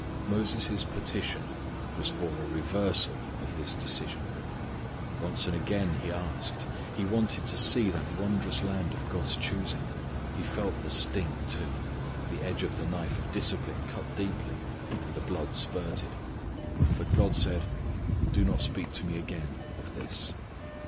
Moses' petition was for a reversal of this decision. Once and again he asked. He wanted to see that wondrous land of God's choosing. He felt the sting too. The edge of the knife of discipline cut keenly, and the blood spurted. But God said: "Do not speak to Me again of this."